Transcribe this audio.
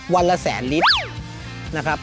วันละแสนลิตรนะครับ